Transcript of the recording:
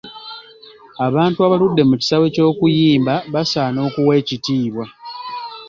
Abantu abaludde mu kisaawe ky’okuyimba basaana okuwa ekitiibwa.